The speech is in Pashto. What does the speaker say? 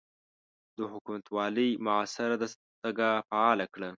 د حکومتوالۍ معاصره دستګاه فعاله کړه.